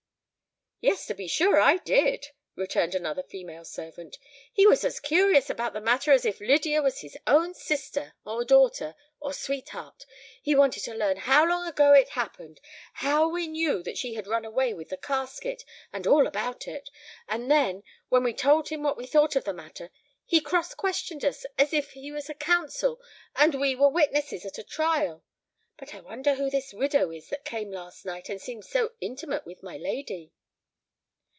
"Yes, to be sure I did," returned another female servant: "he was as curious about the matter as if Lydia was his own sister, or daughter, or sweetheart. He wanted to learn how long ago it happened—how we knew that she had run away with the casket—and all about it; and then, when we told him what we thought of the matter, he cross questioned us as if he was a counsel and we were witnesses at a trial. But I wonder who this widow is that came last night, and seems so intimate with my lady."